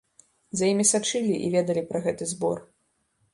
За імі сачылі і ведалі пра гэты збор.